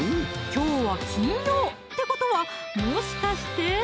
きょうは金曜！ってことはもしかして？